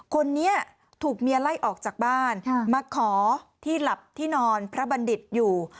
คนนี้ถูกเมียไล่ออกจากบ้านมาขอที่หลับที่นอนพระบัณฑิตอยู่